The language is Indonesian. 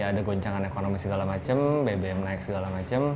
ada goncangan ekonomi segala macam bbm naik segala macam